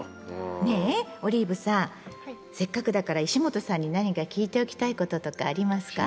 せっかくだから石本さんに何か聞いておきたいこととかありますか？